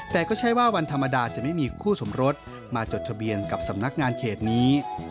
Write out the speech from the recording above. แต่ก็ใช่ว่าวันธรรมดาจะไม่มีคู่สมรสมาจดทะเบียนกับสำนักงานเขตนี้